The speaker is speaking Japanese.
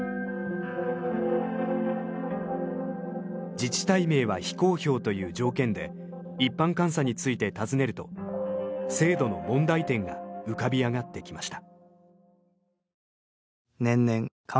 自治体名は非公表という条件で一般監査について尋ねると制度の問題点が浮かび上がってきました。